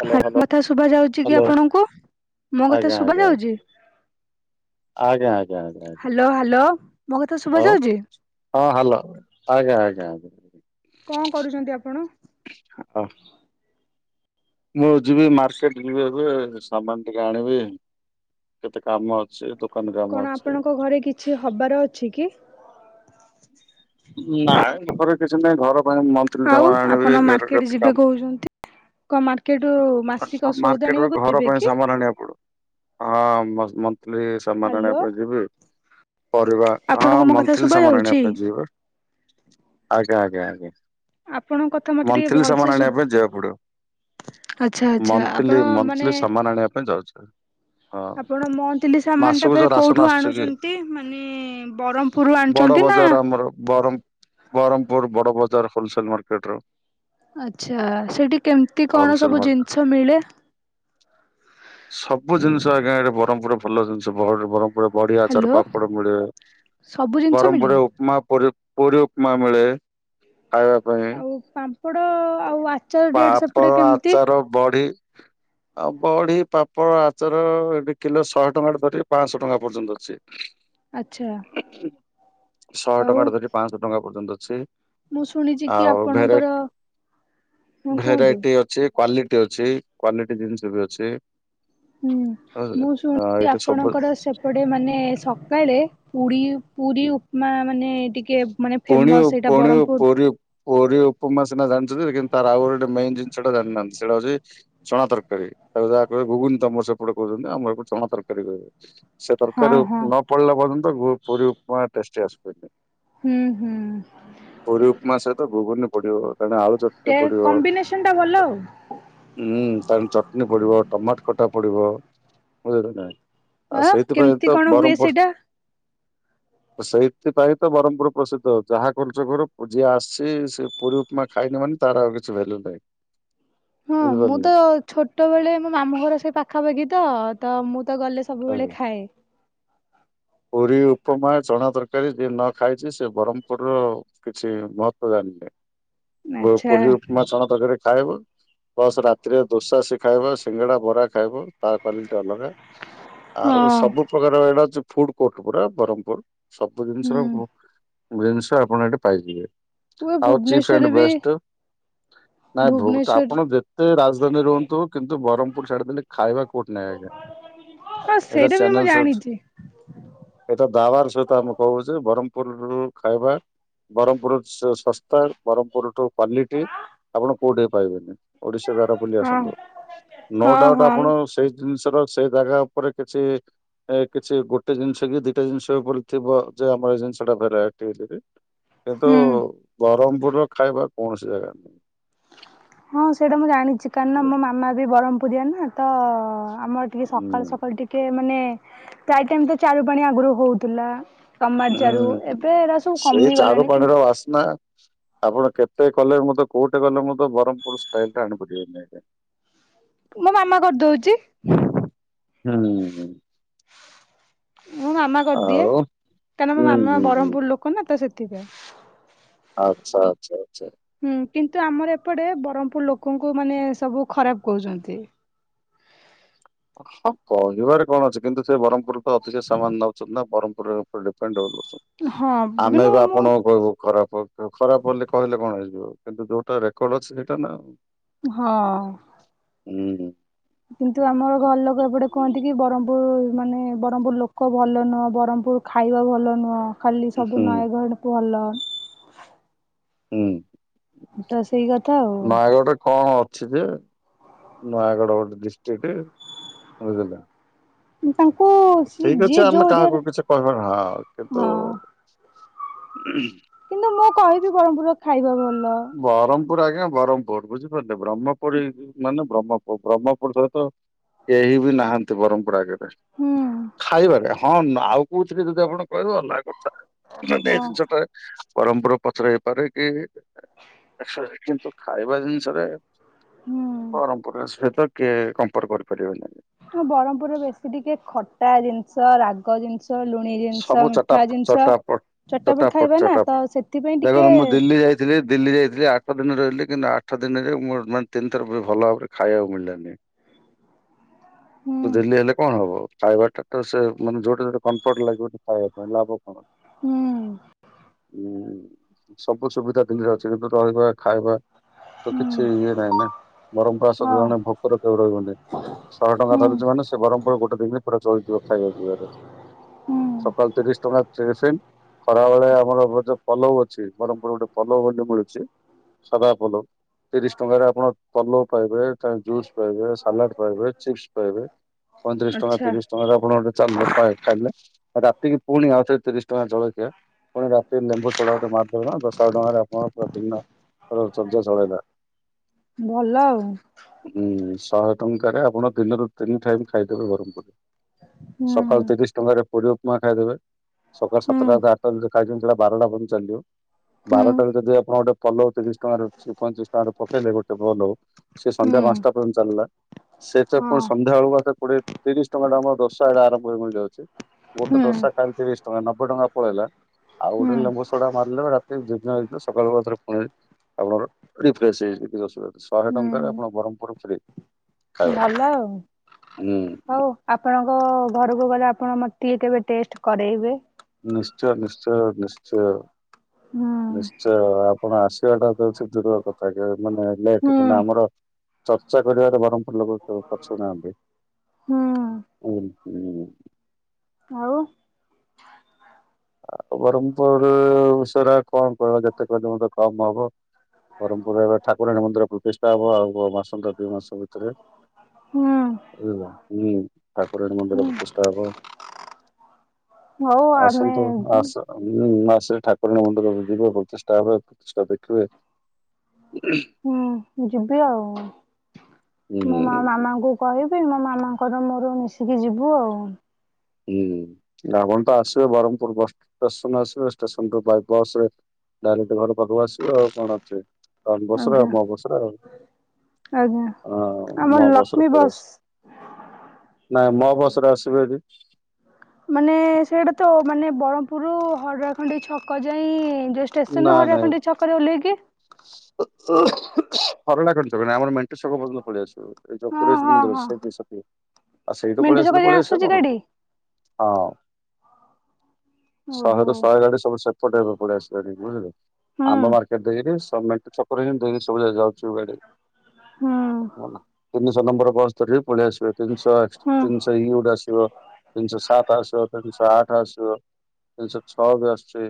Hello ହା hello ମ କଥା ଶୁଭା ଯାଉଛି କି ହ୍ୟାଲୋ ଆପଣଙ୍କୁ ମୋ ଆଜ୍ଞା କଥା ଶୁଭା ଆଜ୍ଞା ଯାଉଛି? ଆଜ୍ଞା ଆଜ୍ଞା ଆଜ୍ଞା ଆଜ୍ଞା ହ୍ୟାଲୋ ହ୍ୟାଲୋ ମୋ କଥା ଶୁଭା ଆଉ ଯାଉଛି? ହଁ ହାଲୋ ଆଜ୍ଞା ଆଜ୍ଞା ଆଜ୍ଞା। କଣ କରୁଛନ୍ତି ଆପଣ? ହଁ। ମୁଁ ଯିବି ମାର୍ଷେଟ ଯିବି ଏବେ ସାମାନ ଟିକେ ଆଣିବି କେତେ କାମ ଅଛି ଦୋ କଣ ଆପଣଙ୍କ ଘରେ କିଛି ହବାର ଅଛି କି? ନାଇଁ ଘରେ କିଛି ନାହିଁ ଘର ପାଇଁ ମାନ୍ଥଲି ଆଉ ସମାନ ଆପଣ ଆଣିବି ମାର୍କେଟ [unintelligible] ଯିବେ କହୁଛନ୍ତି। କଣ ମାର୍କେଟରୁ କାମ। ମାସିକ ସଉଦା ମାର୍କେଟ ରୁ ଆଣିବାକୁ ଘର ଯିବେ ପାଇଁ କି? ସାମାନ ଆଣିବାକୁ ପଡ଼ିବ। ହଁ ମଶ୍ ମନ୍ଥଲି ସ ସାମାନ ଆଣିବା ହାଲୋ ପାଇଁ ଯିବି ପରିବା ହଁ ଆପଣଙ୍କୁ ମୋ କଥା ଶୁଭା ମନ୍ଥଲି ସାମାନ ଯାଉଛି? ଆଣିବା ପାଇଁ ଯିବି ପା। ଆଜ୍ଞା ଆଜ୍ଞା ଆଜ୍ଞା ଆପଣଙ୍କ କଥା ମତେ ଟିକେ ମନ୍ଥଲି ଭଲସେ ସମାନ ଶୁ ଆଣିବା ପାଇଁ ଯିବାକୁ ଆଚ୍ଛା ପଡ଼ିବ। ଆଚ୍ଛା ଆପଣ ମନ୍ଥଲି ମାନେ ମନ୍ଥଲି ସମାନ ଆଣିବା ପାଇଁ ଯାଉଛେ। ଆପଣ ମନ୍ଥଲି ସାମାନ ଟା ଫେର ରାସନ କୋଉଠୁ ଆସୁଛି କି ଆଣୁଛନ୍ତି ମାନେ ବରମ୍ ପୁରୁ ବଡ ଆଣଚନ୍ତି ନା ବଜାର ଆମର ବରମ୍ Berhampur Bada Bazar wholesale market ରୁ ଆଚ୍ଛା ସେଠି କେମିତି କଣ ହୋଲସେଲ ସବୁ ମାର୍କେଟ। ଜିନିଷ ମିଳେ? ସବୁ ଜିନିଷ ଆଜ୍ଞା ଏଠେ ବ୍ରହ୍ମପୁର ରେ ଭଲ ଜିନିଷ [unintelligible] ଗୋଟେ ବଡ଼ିଆଚର ହ୍ୟାଲୋ ପାପଡ଼ ମିଳେ ସବୁ ଜିନିଷ ମିଳେ? ଗରମପଡେ ଉପମା ପୁରି ପୁରୀ ଉପମା ମିଳେ ଖାଇବା ପାଇଁ ଆଉ ପାମ୍ପଡ଼ ଆଉ ଆଚାର ରେଟ୍ ସେପଟେ ପାପଡ଼ କେମିତି? ଆଚାର ବଡ଼ି ଆଉ ବଢି ପାମ୍ପଡ଼ ଆଚାର ଏଠି କିଲୋ ଶହେ ଟଙ୍କାରେ ଧରି ପାଞ୍ଚଶହ ଟଙ୍କା ପର୍ଯ୍ୟନ୍ତ ଆଚ୍ଛା ଅଛି। ସଟ ଆଉ ଟଙ୍କା ଟା ଧରି ପାଞ୍ଚଶହ ଟଙ୍କା ପର୍ଯ୍ୟନ୍ତ ଅଛି ମୁଁ ଶୁଣିଛି କି ଆଉ ଭେରେ ଆପଣଙ୍କର ହଁ କୁହନ୍ତୁ ଭେରାଇଟି ଅଛି କ୍ଵାଲିଟି ଅଛି କ୍ଵାଲିଟି ଜିନିଷ ବି ଅଛି। ହୁଁ ବୁଝିଲେ। ମୁଁ ହଁ ଶୁଣଛିି ଏଇଠି ସବୁ ଆପଣଙ୍କର ସେ ପଟେ ମାନେ ସକାଳେ ପୁଡ଼ି ପୁରୀ ଉପମା ମାନେ ଟିକେ ମାନେ ପୁଣିଓ ଫେମସ୍ ସେଇଟା ପୁଣିଓ ବ୍ରହ୍ମପୁର ପୁ [unintelligible] ପୁରୀ ଉପମା ସିନା ଜାଣିଛନ୍ତି କିନ୍ତୁ ତାର ଆଉଗୋଟେ ମେନ୍ ଜିନିଷଟା ଜାଣିନାହାନ୍ତି ସେଇଟା ହଉଛି ଚଣା ତରକାରୀ ଆକୁ ଯାହା କହିବେ ଘୁଗୁନି ତମର ସେପଟେ କହୁଛନ୍ତି ଆମର ଏପଟେ ଚଣା ତରକାରୀ କହିବେ। ସେ ହଁ ତରକାରୀ ରୁ ହଁ ନ ପଡ଼ିଲା ପର୍ଯ୍ୟନ୍ତ ପୁରୀ ଉପମା ଟେଷ୍ଟ ଆସି ପାରିବନି। ହୁଁ ହୁଁ। ପରି ଉପମା ସହିତ ଘୁଗୁନି ପଡ଼ିବ କାରଣ ଆଳୁ ଟେ ଚକ୍ଟା ପଡ଼ିବ। କମ୍ବିନେସନ ଟା ଭଲ ଆଉ ହୁଁ ତା ଚଟଣିୀ ପଡ଼ିବ ଟମାଟ ଖଟା ପଡ଼ିବ ବୁଝିଲ ନାଇଁ ଆଉ ଆଁ ସେଇଥିପାଇଁ କେମିତି ତ କଣ ହୁଏ ସେଇଟା? ବ୍ରହ୍ମପୁର ସେଇଥିପାଇଁ ତ ବ୍ରହ୍ମପୁର ପ୍ରସିଦ୍ଧ ଯାହା କରୁଛ କର ଯିଏ ଆସିଛି ସେ ପୁରୀ ଉପମା ଖାଇନି ମାନେ ତାର ଆଉ କିଛି ଭ୍ୟାଲ୍ୟୁ ନାହିଁ। [inaudible] ହଁ ମୁଁ ବୁଝିପାରିଲେ। ତ ଛୋଟବେେଳେ ମୋ ମାମୁଁ ଘର ସେଇ ପାଖାପାଖି ତ ତ ମୁଁ ତ ଗଲେ ସବୁବେଳେ ଖାଏ ପୁରୀ ଉପମା ଚଣା ତରକାରୀ ଯିଏ ନ ଖାଇଛି ସେ ବ୍ରହ୍ମପୁରର କିଛି ମହତ୍ଵ ଜାଣିନି ବ ଆଚ୍ଛା ପୁରି ଉପମା ଚଣା ତରକାରି ଖାଇବ ପ୍ଲସ୍ ରାତିରେ ଦୋସା ସେ ଖାଇବ ସିଙ୍ଗଡ଼ା ବରା ଖାଇବ ତା କ୍ଵାଲିଟି ଅଲଗା। ଆଉ ହଁ ସବୁ ପ୍ରକାର ଏଇଟା ଅଛି ଫୁଡ କୋର୍ଟ ପୁରା ବ୍ରହ୍ମପୁର ସବୁ ହୁଁ ଜିନିଷର ଜିନିଷ ଆପଣ ଏଠି ପାଇଯିବେ। ମୁଁ ଆଉ ଚିଫ୍ ଆଣ୍ଡ ଭୁବନେଶ୍ଵରରେ ବି ବେଷ୍ଟ ନାଇଁ ଭୋଗ ତ ଭୁବନେଶ୍ଵର ଆପଣ ଜେ ତେ ରାଜଧାନୀରେ ରୁହନ୍ତୁ କିନ୍ତୁ ବ୍ରହ୍ମପୁର ଛାଡ଼ିଦେଲେ ଖାଇବା କଉଠି ନାଇଁ ଆ୍ଞା ହଁ ଏଇଟା ସେଇଟା ବି ମୁଁ ଚାନେଲ୍ ସର୍ଚ ଜାଣିଛି ଏଇଟା ଦାୱାର ସହିତ ଆମେ କହୁଛେ ବ୍ରହ୍ମପୁରରୁ ଖାଇବା ବ୍ରହ୍ମପୁର ସ ଶସ୍ତା ବ୍ରହ୍ମପୁରଠୁ କ୍ଵାଲିଟି ଆପଣ କୋଉଠି ବି ପାଇବେନି ଓଡ଼ିଶା ଶାରା ବୁଲି ହଁ ଆସନ୍ତୁ ନୋ ହଁ ଡାଉଟ୍ ହଁ ଆପଣ ସେଇ ଜିନିଷ ର ସେ ଜାଗା ଉପରେ କିଛି ଏ କିଛି ଗୋ ଟେ ଜିନିଷ କି ଦିଟା ଜିନିଷ କରିଥିବ ଯେ ଆମ ଏ ଜିନିଷ ଟା ଭେରାଇଟ ବୋଲିକି କିନ୍ତୁ ହୁଁ ବ୍ରହ୍ମପୁର ର ଖାଇବା କୌଣସି ଜାଗାରେ ନାହିଁ। ହଁ ସେଇଟା ମୁଁ ଜାଣିଚି କାହିକିନା ମୋ ମାମା ବି ବରମ୍ପୁରିଆ ନା ତ ଆମର ଟିକେ ସକାଳୁ ହୁଁ ସକାଳୁ ଟିକେ ମାନେ ଚାରି ଟାଇମ ତ ଚାରୁ ପାଣି ଆଗରୁ ହଉଥିଲା। କାମାକ୍ଷାରୁ ହୁଁ ଏବେ ଏରା ସବୁ କମିଗଲାଣି କିନ୍ ସ୍ମା ଆପଣ କେତେ କଲେ ହେଲେ ମଧ୍ଯ, କୋଉଠେ କଲେ ହେଲେ ମଧ୍ଯ ବରମ୍ପୁରିଆ ଷ୍ଟାଇଲ ଟା ଆଣିପାରିବନି। ମୋ ମାମା କରିଦଉଚି। ହୁଁ ହଁ। ମୁଁ ମାମା କରିଦିଏ। ଆଉ କାହିଁକନା ମୋ ହୁଁ ମାମା ହୁଁ ହୁଁ ବରମ୍ପୂର ଲୋକ ନା ତ ସେଥିପାଇଁ। ଆଚ୍ଛା ଆଚ୍ଛା ଆଚ୍ଛା। ହୁଁ କିନ୍ତୁ ଆମର ଏପଟେ ବରମ୍ପୂର ଲୋକଙ୍କୁ ମାନେ ସବୁ ଖରାପ କହୁଚନ୍ତି। ହଁ କହିବାରେ କଣ ଅଛି କିନ୍ତୁ ସେ ବରମ୍ପୁର ତ ଅତିିକ ସେମାନେ ଯାଉଚନ୍ତି ନା ବରମ୍ପୁର ଉପରେ ଡିପେଣ୍ଡ ହ କରୁଚନ୍ତି। ହଁ ଆମେ କିନ୍ତୁ ବି ମୁଁ ଆପଣଙ୍କୁ କହିବୁ ଖରାପ। ଉଁ ଖରାପ ବୋଲି କହିଲେ କଣ ହେଇଯିବ କିନ୍ତୁ ଯୋଉଟା ରେକର୍ଡ ଅଛି ସେଇଟା ନା ଆଉ। ହଁ। ହୁଁ। କିନ୍ତୁ ଆମର ଘର ଲୋକ ଏପଟେ କୁହନ୍ତି କି ବରମ୍ପୁର ମାନେ ବରମ୍ପୁର ଲୋକ ଭଲ ନୁହଁ। ବରମ୍ପୁର ଖାଇବା ଭଲ ନୁହ। ଖାଲି ସବୁ ହୁଁ ନୟାଗଡ଼ ଭଲ। ହୁଁ ତ ସେଇ କଥା ଆଉ ନୟାଗଡ଼ ରେ କଣ ଅ ଛି ଯେ ନୟାଗଡ ଗୋଟେ ଡିଷ୍ଟିକ୍ଟ ବୁଝିଲ। ତାଙ୍କୁ ସି ଠିକ ଅଛି ଯିଏ ଆମେ ଯୋଉ କାହାକୁ ଏରିଆରେ କିଛି କହିବା ନା ହଁ କିନ୍ତୁ ହଁ କିନ୍ତୁ ମୁଁ କହିବି ବରମ୍ପୁରର ଖାଇବା ଭଲ। ବରମ୍ପୁର ଆଜ୍ଞା ବରମ୍ପୁର ବୁଝିପାରିଲେ। ବ୍ରହ୍ମପୁର ଇଜ୍ ମାନେ ବ୍ରହ୍ମପୁର ବ୍ରହ୍ମପୁର ସହିତ କେହି ବି ନାହାନ୍ତି ବରମ୍ପୁର ଆଗରେ। ହୁଁ ବେଷ୍ଟ। ଖାଇବାରେ ହଁ ଆଉ କୋଉଥିରେ ଯଦି ଆପଣ କହିବେ ଅଲଗା କଥା। ହଁ ଏଇ ଜିନିଷ ଟା ବରମ୍ପୁର ପଛରେ ହେଇପାରେ କି ଏ କିନ୍ତୁ ଖାଇବା ଜିନିଷରେ ହୁଁ। ବରମ୍ପୁର ସହିତ କିଏ କମ୍ପର କରିପାରିବନି। ହଁ ବରମ୍ପୁରରେ ବେଶୀ ଟିକେ ଖଟା ଜିନିଷ ରାଗ ଜିନିଷ। ଲୁଣି ସବୁ ଜିନିଷ ଚଟା ମିଠା ଜିନିଷ। ଚଟାପଟ ଚଟାପଟ ଖାଇବେ ନା ତ ସେଥିପାଇଁ ଟିକେ ଥିଲ ଦିଲ୍ଲୀ ଯାଇଥିଲି ଆଠ ଦିନ ରହିଲି କିନ୍ତୁ ଆଠ ଦିନରେଁ ମୋର ମାନେ ତିନିଥର ବି ଭଲ ଭାବରେ ଖାଇବାକୁ ମିଳିଲାନି। ହୁଁ ଦିଲ୍ଲୀ ହେଲେ କଣ ହବ ଖାଇବା ଟା ତ ସେ ମାନେ ଯୋଉଟା ଯୋଟ କନ୍ ଟ ଲାଗିବ ଗୋଟେ ଖାଇବା ପାଇଁ ଲାଭ କଣ? ହୁଁ। ଉୁଁ ସବୁ ସୁବିଧା ଦିଲ୍ଲୀରେ ଅଛି ସେଥି ପାଇଁ ବା ଖାଇବା ତ ହୁଁ କିଛି ଇଏ ନାହିଁ ନା ବରମ୍ପସ ହଁ ଜଣେ ଭୋ ର କେଉ ରହିବନି। ଶହେ ଟଙ୍କା ହୁଁ ଧରିଚି ମାନେ ସେ ବରମ୍ପୁରରେ ଗୋଟେ ଦିନରେ ପୁରା ଚଳିଯିବ ଖାଇବା ପିଇବାରେ। ହୁଁ ସକାଳ ତିରିଶ ଟଙ୍କା ତିରିଶ ଖରା ବେଳେ ଆମର ଯୋଉ ପୋଲଉ ଅଛି, ବରମ୍ପୁର ଗୋଟେ ପୋଲଉ ବୋଲି ମିଳୁଚି ସାଧା ପଲଉ। ତିରିଶ ଟଙ୍କାରେ ଆପଣ ପଲଉ ପାଇବେ, ଜୁସ୍ ପାଇବେ, ସାଲାଡ ପାଇବେ, ଚିପ୍ସ ପାଇବେ। ପଇଁତିରିଶ ଟଙ୍କା ଆଚ୍ଛା ତିରିଶ ଟଙ୍କାରେ ଆପଣ ଗୋଟେ ଚାଲ ପାଏ ଖାଇଲେ। ରାତିକି ପୁଣି ଆଉଥରେ ତିରିଶ ଟଙ୍କା ଜଳଖିଆ। ପୁଣି ରାତିରେ ଲେମ୍ବୁ ସୋଡା ଗଟେ ମାରିଦେବେ। ତ ଶହେ ଟଙ୍କାରେ ଆପଣ ପୁରା ଦିନ ଚର୍ଯ୍ୟ ଚଳେଇ ଦେବା। ଭଲ ଆଉ। ହୁଁ ଶହେ ଟଙ୍କାରେ ଆପଣ ଦିନରୁ ତିନି ଟାଇମ ଖାଇଦେବେ ବରମ୍ପୁର ରେ ହୁଁ ସକାଳ ତିରିଶ ଟଙ୍କାରେ ପୁରୀ ଉପମା ଖାଇଦେବେ, ସକାଳ ହୁଁ ସାତଟା ଆଠ ଟା ରେ ଯୋଉଟା ଖାଇଚନ୍ତି ସେଟା ବାରଟା ପର୍ଯ୍ୟନ୍ତ ଚାଲିଯିବ। ହୁଁ ବାରଟାରେ ଯଦି ଆପଣ ଗୋଟେ ପୋଲଉ ତିରିଶ ଟଙ୍କାରେ ପଇତିରିଶ ଟଙ୍କାରେ ପକେଇଲେ ଗୋଟେ ପୋଲଉ ସେ ସନ୍ଧ୍ୟା ହୁଁ ପାନ୍ ସଟା ପର୍ଯ୍ୟନ୍ତ ଚାଲିଲା। ସେ ତ ହଁ ପୁଣି ସନ୍ଧ୍ୟାବେଳୁଆ ତ କୋଡିଏ ତିରିଶ ଟଙ୍କା ଟା ଆମର ରୋଷ [unintelligible] ଆରମ୍ଭକୁ ହେବାକୁଯାଉଚି। ଗୋଟେ ହୁଁ ପ୍ରସାଦ ଟା ଆଣିଥିବେ ତିରିଶ ଟଙ୍କା ନବେ ଟଙ୍କା ପଳେଇଲା। ଆଉ ଗୋଟେ ହୁଁ ଲେମ୍ବୁ ସଡା ମାରିଲେ ରାତି ଦୁଇଗୁଣେ ହେଇଯିବ ସକାଳୁ ଆଉଥରେ ପୁଣି ଆପଣର ରିଫ୍ରେସ ହେଇଯିବ କିଛି ଅସୁବିଧା ଶହେ ହୁଁ ଟଙ୍କାରେ ଆପଣ ବ୍ରହ୍ମପୁର ଫ୍ରି ଖାଇବା। ଭଲ ଆଉ ହୁଁ ହଉ। ଆପଣଙ୍କ ଘରୁକୁ ଗଲେ ଆପଣ ମତେ କେବେ ଟେଷ୍ଟ କରେଇବେ। ନିଶ୍ଚୟ ନିଶ୍ଚୟ ନିଶ୍ଚୟ। ହୁଁ। ନିଶ୍ଚୟ ଆପଣ ଆସିବାଟା [unintelligible] ମାନେ ହୁଁ ଲେଟ କିନ୍ତୁ ଆମର ଚର୍ଚ୍ଚା କରିବାରେ ବରମପୁର ଲୋକ ପଛଉ ନାହାନ୍ତି। ହୁଁ ହୁଁ ହୁଁ। ଆଉ। ଆଉ ବରମପୁର ସରା କଣ କଇବ ଯେତେ କହିଲେ ମତେ କମ୍ ହବ। ବରମପୁର ରେ ଏବେ ଠାକୁରାଣୀ ମନ୍ଦିର ପ୍ରତିଷ୍ଠା ହବ ଆଉ ମାସନ୍ତ ଦୁଇ ମାସ ଭିତରେ। ହୁଁ ବୁଝିଲ ହୁଁ ଠାକୁରାଣୀ ମନ୍ଦିର ହୁଁ ପ୍ରତିଷ୍ଟା ହବ। ହଉ ଆ ତମେତ ଆସ ଉଁ ମା ସେ ଠାକୁରାଣୀ ମନ୍ଦିର ଯିବେ ପ୍ରତିଷ୍ଠା ହୁଏ ପ୍ରତିଷ୍ଠା ଦେଖିବେ ହୁଁ। ମୁଁ ଯିବି ଆଉ ହୁଁ ମୁଁ ମୋ ମାମାଙ୍କୁ କହିବି ମୋ ମାମାଙ୍କର ମୋର ମିଶିକି ଯିବୁ ଆଉ। ହୁଁ ଆପଣ ତ ଆସିବେ ବରମପୁର ବସ୍ ଷ୍ଟେସନ୍ ଆସିବେ ଷ୍ଟେସନ ରୁ ବାଇପାସ ରେ ଡାଇରେକ୍ଟ ଘର ପାଖକୁ ଆସିବେ ଆଉ କଣ ଅଛେ। [unintelligible] ବସ୍ ରେ ଆଜ୍ଞା ଆଉ ମୋ ବସ୍ ରେ ଆଉ ଆଜ୍ଞା ହଁ ନୂଆ ଆମର ବସ୍ ରେ ଲକ୍ଷ୍ମୀ ପଳେଇ ଆ ନା ମୋ ବସ୍ ରେ ଆସିବେ ହେରି। ମାନେ ସେଇଟା ତ ମାନେ ବରମପୁର ରୁ ହରିଆ ଖଣ୍ଡି ଛକ ଯାଇଁ ଯୋଉ ଷ୍ଟେସନରୁ ହରିଆଖଣ୍ଡି ଛକରେ ଓହ୍ଲେଇକି ହରଡା ଖଣ୍ଡି ଛକ ନୁହେଁ ଆମର ମେଣ୍ଟ ଛକ ପର୍ଯ୍ୟନ୍ତ ପଳେଇ ଆସିବ। ଏଇ ହଁ ଚତୁରେଶ୍ୱର ହଁ ମନ୍ଦିର ହଁ [unintelligible] ଆ ସେଇଠୁ ପଳେଇ ମେଣ୍ଟୁ ଛକ ଆସିଲେ ଯାଏଁ ପଳେଇ ଆସିବେ ଆସୁଛି କଣ। ଗାଡି ହଁ ଶହେ ଓହୋ ରୁ ଶହେ ଗାଡି ସବୁ ସେପଟେ ଏବେ ପଳେଇ ଆସି ଗାଡ଼ି ବୁଝିଲେ ହୁଁ ଆମ ମାର୍କେଟରେ [unintelligible] ଦିନି ସବୁ ଯାକ ଯାଉଚୁ ଗାଡ଼ି। ହୁଁ ତିନିଶହ ନମ୍ବର ବସ୍ ଧରିବେ ପଳେଇ ଆସିବେ ତିନିଶ ହୁଁ ତିନି [unintelligible] ତାରିକ୍ ଗୋଟେ ଆସିବ ତିନିଶହ ସାତ ଆସିବ ତିନିଶହ ଆଠ ଆସିବ। ତିନିଶହ ଛଅ ବି ଆସୁଚି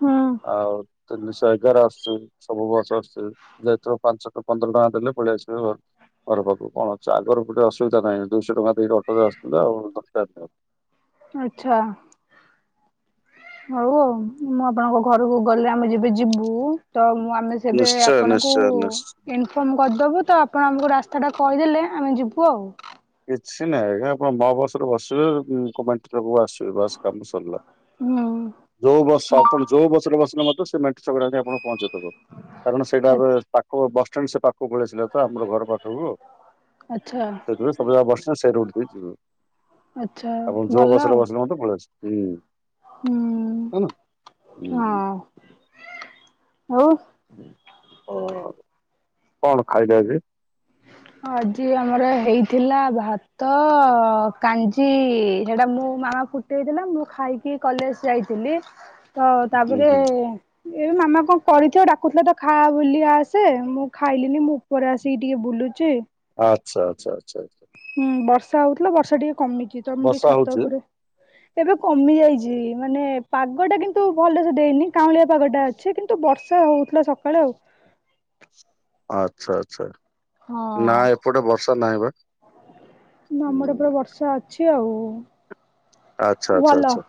ହୁଁ ଆଉ ତିନିଶହ ଏଗାର ଆସୁଚି। ସବୁ ବସ୍ ଆସୁଚି ଯେତକ ପାଞ୍ଚଟ ପନ୍ଦର ଟଙ୍କା ଦେଲେ ପଳେଇ ଆସିବେ ଘ ଘର ପାଖକୁ କଣ ଅଛି ଆଗର ଗୋଟେ ଅସୁବିଧା ନାହିଁ ଦୁଇଶହ ଟଙ୍କା ଦେଇକି ଅଟୋରେ ଆସୁଥୁଲେ ଆଉ ଦରକାର ଆଛା। ହଉ ଆଉ ମୁଁ ଆପଣଙ୍କ ଘରକୁ ଗଲେ ଆମେ ଯେବେ ଯିବୁ ତ ମୁଁ ଆମେ ସେବେ ନିଶ୍ଚୟ ଆପଣଙ୍କୁ ନିଶ୍ଚୟ ନିଶ୍ଚୟ। ଇନଫର୍ମ କରିଦବୁ ତ ଆପଣ ଆମକୁ ରାସ୍ତାଟା କହିଦେଲେ ଆମେ ଯିବୁ ଆଉ। କିଛି ନାହିଁ ଆଜ୍ଞା ଆପଣ ମୋ ବସରେ ବସିବେ କମେଣ୍ଟ ଲୋକକୁ ଆସିବେ ବସ କାମ ସରିଲା। ଯୋଉ ବସ ଆପଣ ଯୋଉ ବସ ରେ ବସିଲେ ମଧ୍ୟ ସେ ମେଣ୍ଟ ଛକ ରେ ଆଣି ଆପଣ କୁ ପହଞ୍ଚେଇଦବ କାରଣ ସେଇଟା ହୁଁ ଏବେ ପା ଖ ବସ୍ ଷ୍ଟାଣ୍ଡ ସେ ପାଖୁକୁ ପଳେଇ ଆସିଲା ତ ଆମର ଘର ପାଖକୁ ଆଚ୍ଛା ସେଥି [unintelligible] ବସିନେ ସେଇଠୁ ଉଠିକି ଯିବେ ଆଚ୍ଛା ଆପଣ ଯୋଉ ଭଲ ବସରେ ଆଉ ବସିଲେ ମଧ୍ଯ ପଳେଇ ଆସି ହୁଁ। ହୁଁ ହଁ ହୁଁ। ହଉ। ଅ କଣ ଖାଇଲେ ଆଜି? ଆଜି ଆମର ହେଇଥିଲା ଭାତ କାଞ୍ଜି ସେଟା ମୁଁ ମାମା କୁ ଦେଇଥିଲା ମୁଁ ଖାଇକି କଲେଜ ଯାଇଥିଲି। ତ ହୁଁ ତାପରେ ହୁଁ ଏବେ ମାମା କଣ କରିଥିବ ଡାକୁଥିଲା ତ ଖା ବୋଲି ଆସେ ମୁଁ ଖାଇଲିନି ମୁଁ ଉପରେ ଆସିକି ଟିକେ ବୁଲୁ ଚି ଆଚ୍ଛା ଆଛା ଆଛା ଆଛା। ହୁଁ ବର୍ଷା ହଉଥିଲା ବର୍ଷା ଟିକେ କମିଛି ତମେ ଟିକେ ବର୍ଷା ଛାତ ହଉଛି? ଉପରେ ଏବେ କମି ଯାଇଛି ମାନେ ପାଗ ଟା କିନ୍ତୁ ଭଲସେ ଦେଇନି କାଉଁଳିଆ ପାଗଟା ଅ ଛେ କିନ୍ତୁ ବର୍ଷା ହଉଥିଲା ସକାଳେ ଆଉ। ଆଛା ଆଛା ନା ହଁ। ଏପଟେ ବର୍ଷା ନାହିଁ ବା ହୁଁ। ସେ ଅଛି ଆଉ ଆଚ୍ଛା ଆଚ୍ଛା ଭଲ। ଆଚ୍ଛା।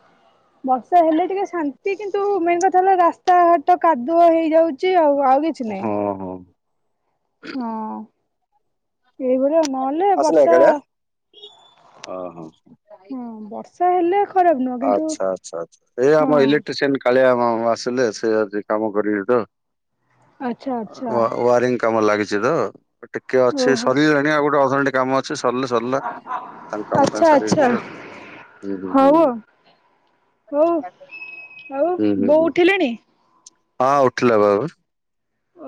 ବର୍ଷା ହେଲେ ଟିକେ ଶାନ୍ତି କିନ୍ତୁ ମେନ୍ କଥା ହେଲା ରାସ୍ତାଘାଟ କାଦୁଅ ହେଇଯାଉଛି ଆଉ ଆଉ କି ହଁ ହଁ। ହଁ ଏଇଭଳିଆ ନହେଲେ ବର୍ଷା ହଁ। ହଁ ବର୍ଷା ହେଲେ ଖରାପ ନୁହଁ କିନ୍ତୁ ଆଛା ଆଛା ଆଛା ଏ ଆମ ହଁ ଇଲେଟ୍ରିସିଅନ୍ କାଳିଆ ମାମ ଆସିଲେ ସେ ଆଜି କାମ କରିବେ ତ ଆଚ୍ଛା ଆଚ୍ଛା ୱା ୱାରିଂ କାମ ଲାଗିଛି ତ ଟିକେ ଅଛି ଓହୋ ଶରୀଲା ନାଇ ଆଉ ଗୋଟେ ଅଧ ଘଣ୍ଟେ କାମ ଅଛି ସରିଲେ ସରିଲା ତାଙ୍କ କାମ ଆଚ୍ଛା ତାଙ୍କ ସାରିକି ଆଚ୍ଛା ଯିବେ। ହୁଁ ହୁଁ ହଉ ହୁଁ। ଆଉ ଆଉ ହୁଁ ହୁଁ ବୋଉ ହୁଁ ଉଠିଲେଣି? ହଁ ଉଠିଲା ବା ଏବେ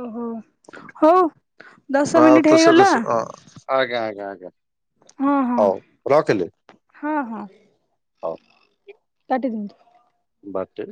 ଓହୋ ହଉ ଦଶ ଆଉ ମିନିଟ ତ ସେ ତ ହେଇଗଲା। ସ- ଅ, ଆଜ୍ଞା ଆଜ୍ଞା ଆଜ୍ଞା। ହଁ ହଁ ହଉ ରଖିଲି ହଁ ହଁ। ହଉ କାଟିଦିଅନ୍ତୁ। ବାଟେ।